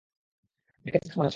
দেখে চার্চ মনে হচ্ছে।